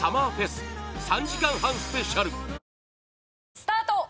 スタート！